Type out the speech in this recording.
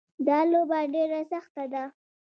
دا لوبه ډېره سخته ده